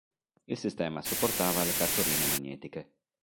Il sistema supportava le cartoline magnetiche.